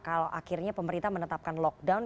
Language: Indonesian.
kalau akhirnya pemerintah menetapkan lockdown